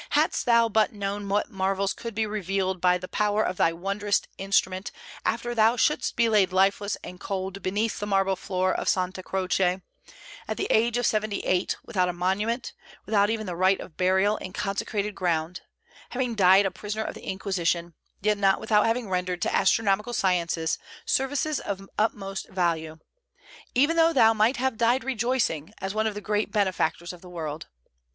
hadst thou but known what marvels would be revealed by the power of thy wondrous instrument after thou should'st be laid lifeless and cold beneath the marble floor of Sante Croce, at the age of seventy eight, without a monument, without even the right of burial in consecrated ground, having died a prisoner of the Inquisition, yet not without having rendered to astronomical science services of utmost value, even thou might have died rejoicing, as one of the great benefactors of the world.